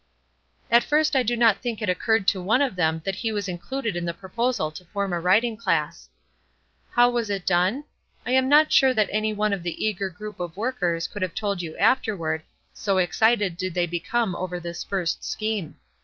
At first I do not think it occurred to one of them that he was included in the proposal to form an writing class. How was it done? I am not sure that any one of the eager group of workers could have told you afterward, so excited did they become over this first scheme.